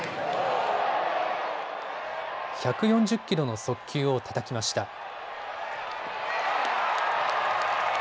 １４０キロの速球をたたきました。